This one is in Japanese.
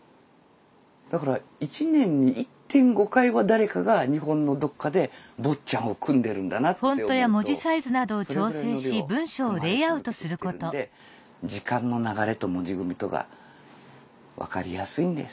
だから１年に１．５回は誰かが日本のどっかで「坊っちゃん」を組んでるんだなって思うとそれぐらいの量組まれ続けてきてるんで時間の流れと文字組みとが分かりやすいんです。